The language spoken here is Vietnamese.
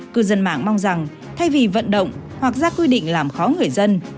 cư dân mạng mong rằng thay vì vận động hoặc ra quy định làm khó người dân